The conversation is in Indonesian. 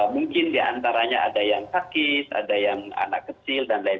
mungkin diantaranya ada yang sakit ada yang anak kecil dan lain lain